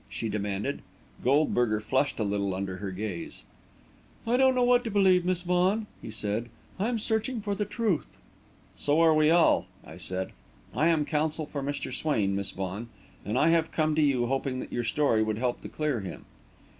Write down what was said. she demanded. Goldberger flushed a little under her gaze. "I don't know what to believe, Miss Vaughan," he said. "I'm searching for the truth." "So are we all," I said. "I am counsel for Mr. Swain, Miss Vaughan, and I have come to you, hoping that your story would help to clear him."